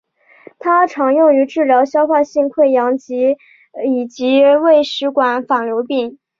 它常用于治疗消化性溃疡以及胃食管反流病。